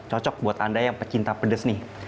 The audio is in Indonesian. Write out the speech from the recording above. cocok buat anda yang pecinta pedes nih